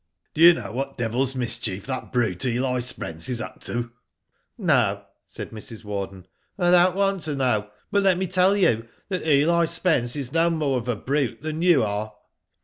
Do you know what deviFs mischief that brute Eli Spence is up to ?" No," said Mrs. Warden, *'and I don't want to. know; but let me tell you that Eli Spence is no more of a brute than you are."